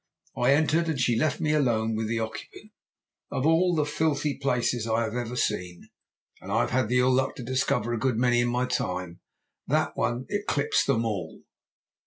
I entered and she left me alone with the occupant. "Of all the filthy places I have ever seen and I have had the ill luck to discover a good many in my time that one eclipsed them all.